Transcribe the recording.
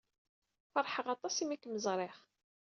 Feṛḥeɣ aṭas imi ay kem-ẓriɣ.